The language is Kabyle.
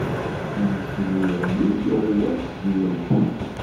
Ar nsel i uɣyul yuɣwas di lebḥeṛ.